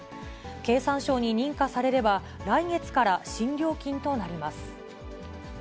経産省に認可されれば、来月から新料金となります。